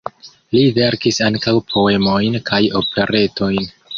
Li verkis ankaŭ poemojn kaj operetojn.